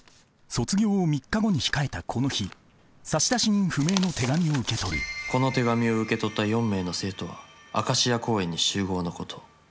卒業を３日後に控えたこの日差出人不明の手紙を受け取る「この手紙を受け取った４名の生徒はアカシア公園に集合のこと」。